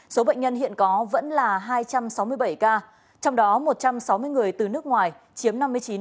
số bệnh nhân hiện có vẫn là hai trăm sáu mươi bảy ca trong đó một trăm sáu mươi người từ nước ngoài chiếm năm mươi chín